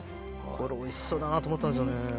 これおいしそうだなと思ったんですよね。